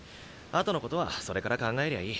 後のことはそれから考えりゃいい。